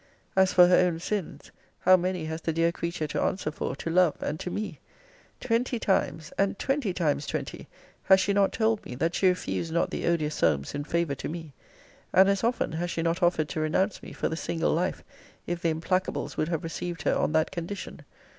As for her own sins, how many has the dear creature to answer for to love and to me! Twenty times, and twenty times twenty, has she not told me, that she refused not the odious Solmes in favour to me? And as often has she not offered to renounce me for the single life, if the implacables would have received her on that condition?